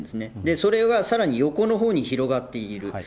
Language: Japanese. それがさらに横のほうに広がっている。